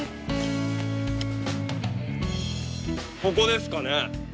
ここですかね？